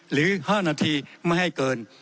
หรืออีก๕นาทีไม่ให้เกิน